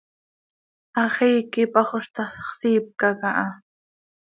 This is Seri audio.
Hax iiqui pajoz ta x, siipca caha.